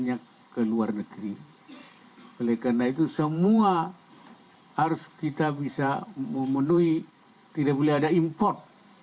banyak ke luar negeri oleh karena itu semua harus kita bisa memenuhi tidak boleh ada import